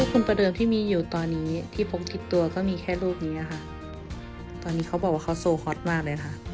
คุณประเดิมที่มีอยู่ตอนนี้ที่พบติดตัวก็มีแค่รูปนี้ค่ะตอนนี้เขาบอกว่าเขาโซฮอตมากเลยค่ะ